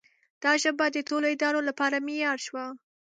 دا ژبه د ټولو ادارو لپاره معیار شوه.